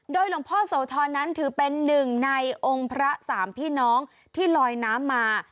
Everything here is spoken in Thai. หลวงพ่อโสธรนั้นถือเป็นหนึ่งในองค์พระสามพี่น้องที่ลอยน้ำมา